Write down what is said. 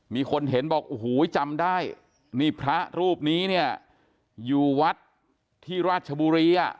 มีคนเห็นบอกโอ้โหจำได้นี่พระรูปนี้เนี่ยอยู่วัดที่ราชบุรีอ่ะ